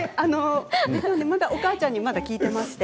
お母ちゃんにまだ聞いています。